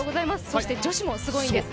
そして女子もすごいんです。